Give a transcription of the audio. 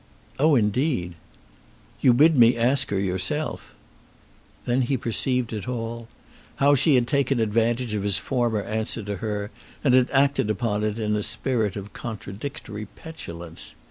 "Oh, indeed." "You bid me ask her yourself." Then he perceived it all; how she had taken advantage of his former answer to her and had acted upon it in a spirit of contradictory petulance.